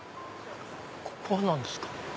ここは何ですか？